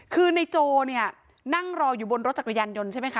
คือในโจเนี่ยนั่งรออยู่บนรถจักรยานยนต์ใช่ไหมคะ